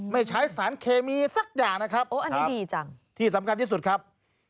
ไม่ใช้สารเคมีสักอย่างนะครับโอ้อันนี้ดีจังที่สำคัญที่สุดครับ